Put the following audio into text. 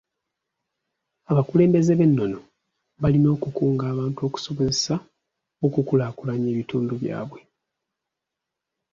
Abakulembeze b'ennono balina okukunga abantu okusobozesa okukulaakulanya ebitundu byabwe.